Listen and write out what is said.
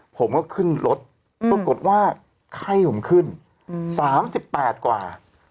ผมก็ขึ้นรถปรากฏว่าไข้ผมขึ้น๓๘กว่า